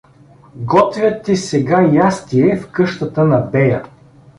— Готвят ти сега ястие в къщата на бея.